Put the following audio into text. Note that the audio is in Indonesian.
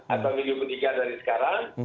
atau minggu ketiga dari sekarang